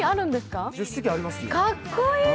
かっこいい！